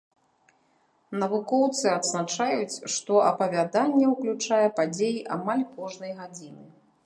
Навукоўцы адзначаюць, што апавяданне ўключае падзеі амаль кожнай гадзіны.